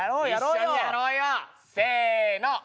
せの！